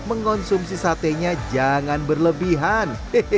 mengonsumsi satenya jangan berlebihan